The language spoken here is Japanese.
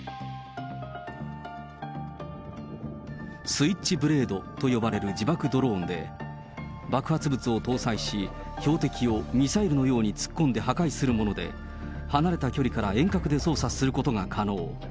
スイッチブレードと呼ばれる自爆ドローンで、爆発物を搭載し、標的をミサイルのように突っ込んで破壊するもので、離れた距離から遠隔で操作することが可能。